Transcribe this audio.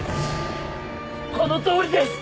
このとおりです！